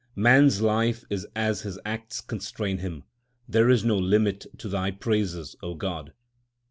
Man s life is as his acts constrain him ; there is no limit to Thy praises, O God.